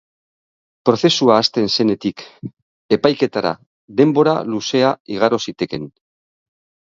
Prozesua hasten zenetik epaiketara denbora luzea igaro zitekeen.